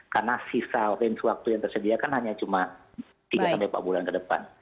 karena sisa waktu yang tersedia kan hanya cuma tiga sampai empat bulan ke depan